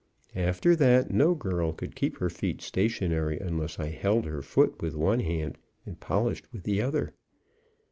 After that no girl could keep her feet stationary unless I held her foot with one hand and polished with the other.